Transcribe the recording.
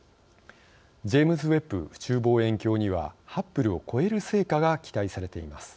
ジェームズ・ウェッブ宇宙望遠鏡にはハッブルを超える成果が期待されています。